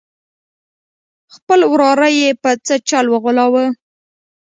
خپل وراره یې په څه چل وغولاوه.